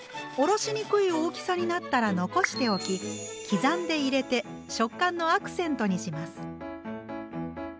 おろしにくい大きさになったら残しておき刻んで入れて食感のアクセントにします。